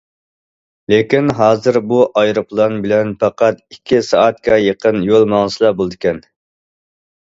لېكىن ھازىر بۇ ئايروپىلان بىلەن پەقەت ئىككى سائەتكە يېقىن يول ماڭسىلا بولىدىكەن.